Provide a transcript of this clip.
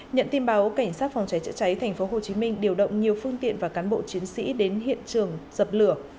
nhận tin báo cảnh sát phòng cháy chữa cháy tp hcm điều động nhiều phương tiện và cán bộ chiến sĩ đến hiện trường dập lửa